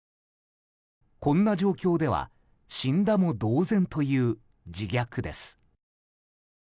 こんな状況では死んだも同然という自虐です。